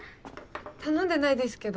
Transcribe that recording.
頼んでないですけど。